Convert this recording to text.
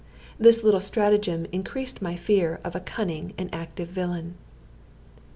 This little stratagem increased my fear of a cunning and active villain.